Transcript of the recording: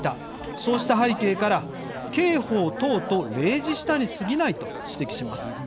そうした背景から刑法等と例示したにすぎないと指摘します。